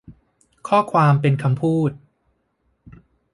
ข้อความเป็นคำพูด